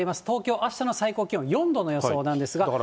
東京、あしたの最高気温４度の予想なんですが。